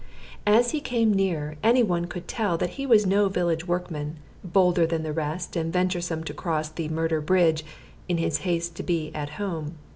As he came nearer any one could tell that he was no village workman, bolder than the rest, and venturesome to cross the "Murder bridge" in his haste to be at home.